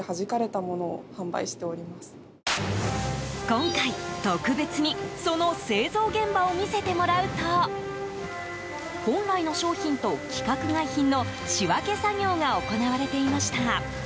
今回、特別にその製造現場を見せてもらうと本来の商品と規格外品の仕分け作業が行われていました。